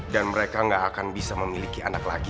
dan mereka tidak akan bisa memiliki anak lagi